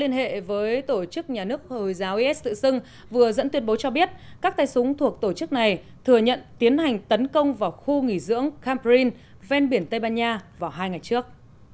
liên hệ với tổ chức nhà nước hồi giáo is tự xưng vừa dẫn tuyên bố cho biết các tay súng thuộc tổ chức này thừa nhận tiến hành tấn công vào khu nghỉ dưỡng cambrin ven biển tây ban nha vào hai ngày trước